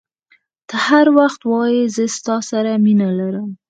ته هر وخت وایي زه ستا سره مینه لرم.